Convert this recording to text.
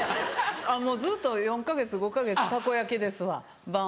もうずっと４か月５か月たこ焼きですわ晩は。